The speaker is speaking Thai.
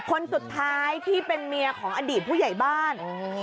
คนสุดท้ายที่เป็นเมียของอดีตผู้ใหญ่บ้าน